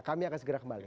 kami akan segera kembali